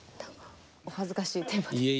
お恥ずかしいテーマで。